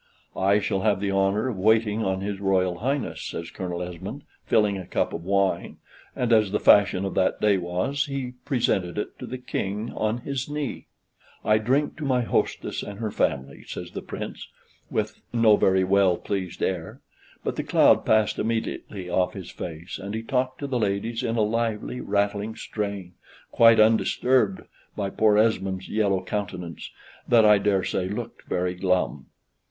"I shall have the honor of waiting on his Royal Highness," says Colonel Esmond, filling a cup of wine, and, as the fashion of that day was, he presented it to the King on his knee. "I drink to my hostess and her family," says the Prince, with no very well pleased air; but the cloud passed immediately off his face, and he talked to the ladies in a lively, rattling strain, quite undisturbed by poor Mr. Esmond's yellow countenance, that, I dare say, looked very glum.